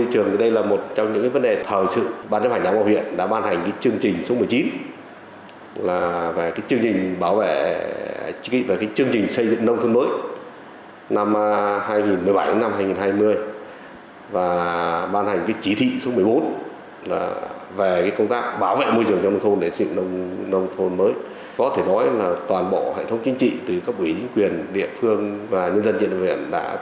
hệ thống chính trị từ các ủy chính quyền địa phương và nhân dân diện đồng viện đã rất tích cực hãi hãi tham gia